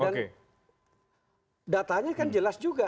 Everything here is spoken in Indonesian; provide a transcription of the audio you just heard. dan datanya kan jelas juga